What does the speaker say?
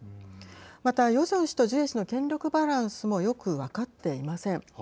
また、ヨジョン氏とジュエ氏の権力バランスもよく分かっていません。